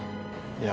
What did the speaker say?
いや